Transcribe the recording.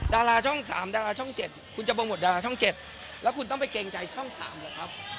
ดาราช่อง๓ดาราช่อง๗คุณจะโปรโมทดาราช่อง๗แล้วคุณต้องไปเกรงใจช่อง๓เหรอครับ